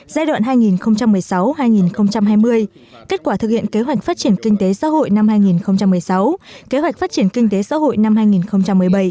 kế hoạch tái cơ cấu nền kinh tế giai đoạn hai nghìn một mươi sáu hai nghìn hai mươi kết quả thực hiện kế hoạch phát triển kinh tế xã hội năm hai nghìn một mươi sáu kế hoạch phát triển kinh tế xã hội năm hai nghìn một mươi bảy